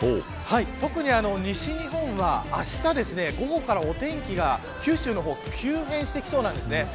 特に西日本はあした午後からお天気が九州の方急変してきそうなんですね。